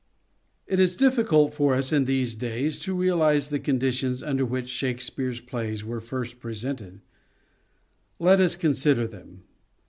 It is difficult for us in these days to realise the conditions under which Shakespeare's plays were first presented. Let us consider them.